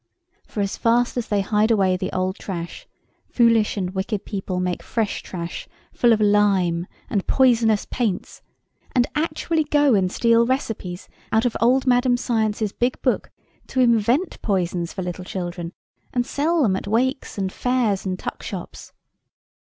For as fast as they hide away the old trash, foolish and wicked people make fresh trash full of lime and poisonous paints, and actually go and steal receipts out of old Madame Science's big book to invent poisons for little children, and sell them at wakes and fairs and tuck shops.